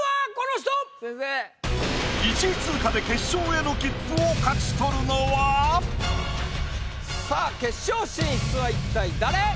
１位通過で決勝への切符を勝ち取るのは⁉さあ決勝進出は一体誰？